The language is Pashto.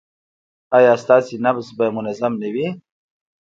ایا ستاسو نبض به منظم نه وي؟